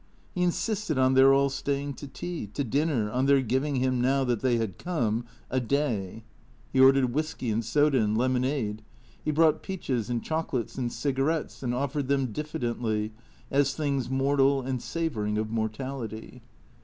He insisted on their all staying to tea, to dinner, on their giving him, now that they had come, a day. He ordered whisky and 62 THECREATORS 63 soda and lemonade. He brought peaches and chocolates and cigarettes, and offered them diffidently, as things mortal and savouring of mortality.